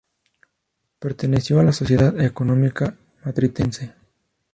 Perteneció a la Sociedad Económica Matritense.